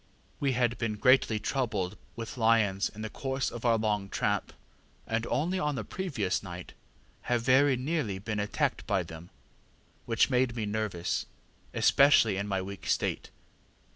We had been greatly troubled with lions in the course of our long tramp, and only on the previous night have very nearly been attacked by them, which made me nervous, especially in my weak state.